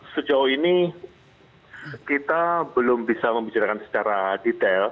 sejauh ini kita belum bisa membicarakan secara detail